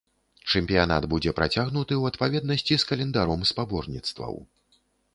Чэмпіянат будзе працягнуты ў адпаведнасці з календаром спаборніцтваў.